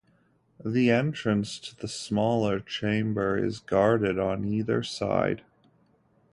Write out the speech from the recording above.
The entrance to the smaller chamber is guarded on either side.